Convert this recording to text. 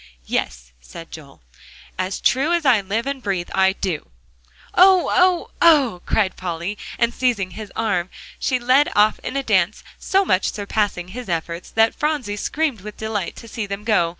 "Yes," said Joel, "as true as I live and breathe, I do!" "Oh! oh! oh!" cried Polly, and seizing his arm, she led off in a dance, so much surpassing his efforts, that Phronsie screamed with delight to see them go.